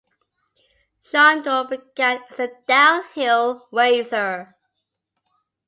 Shandro began as a downhill racer.